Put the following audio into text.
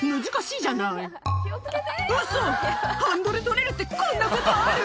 ハンドル取れるって、こんなことある？